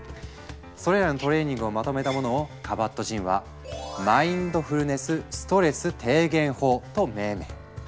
それらのトレーニングをまとめたものをカバットジンは「マインドフルネスストレス低減法」と命名。